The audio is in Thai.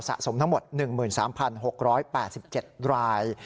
สมทั้งหมด๑๓๖๘๗ราย